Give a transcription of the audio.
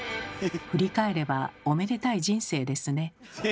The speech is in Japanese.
振り返ればおめでたい人生ですね。